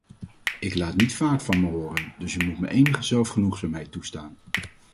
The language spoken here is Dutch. Ik laat niet vaak van me horen, dus u moet me enige zelfgenoegzaamheid toestaan.